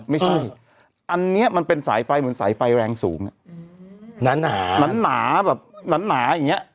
ไม่ใช่อันนี้มันเป็นสายไฟเหมือนสายไฟแรงสูงหนาหนาแบบหนาอย่างเงี้